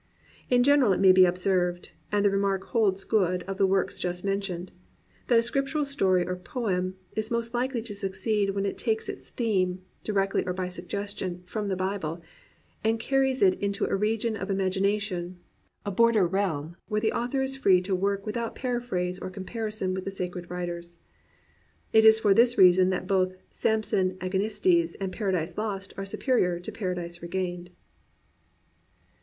In general it may be observed — and the remark holds good of the works just mentioned — that a Scriptural story or poem is most likely to succeed when it takes its theme, directly or by suggestion, from the Bible, and carries it into a region of imagi nation, a border realm, where the author is free to work without paraphrase or comparison with the sacred writers. It is for this reason that both Samson Agonistes and Paradise Lost are superior to Paradise Regained.